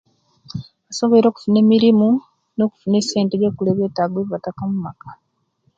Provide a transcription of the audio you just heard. Tusobwere okufuna emirimu nokufuna esente okugula ebyetago ebyebataka mumaka